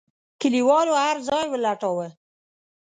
کليوالو هرځای ولټاوه.